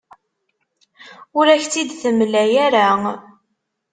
Ur ak-tt-id-temla ara.